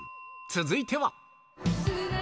続いては。